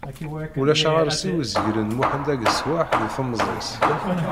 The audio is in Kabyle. Ulac aɣersiw izeglen Muḥend ageswaḥ di temẓi-s.